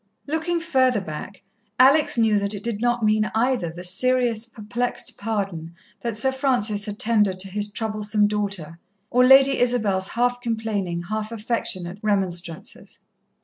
Looking further back, Alex knew that it did not mean either the serious, perplexed pardon that Sir Francis had tendered to his troublesome daughter, or Lady Isabel's half complaining, half affectionate remonstrances.